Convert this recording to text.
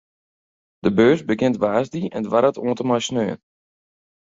De beurs begjint woansdei en duorret oant en mei saterdei.